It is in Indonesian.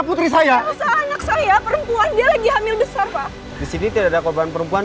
putri saya seanak saya perempuan dia lagi hamil besar pak di sini tidak ada korban perempuan